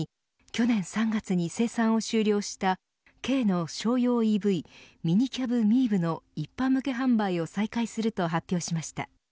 去年３月に生産を終了した軽の商用ＥＶミニキャブ・ミーブの一般向け販売を再開すると発表しました。